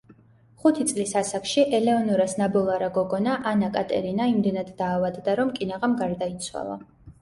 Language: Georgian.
ხუთი წლის ასაკში ელეონორას ნაბოლარა გოგონა ანა კატერინა იმდენად დაავადდა, რომ კინაღამ გარდაიცვალა.